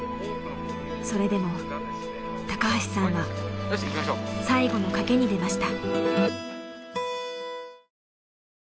それでも高橋さんは最後の賭けに出ました。